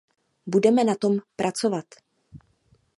Budeme na tom pracovat.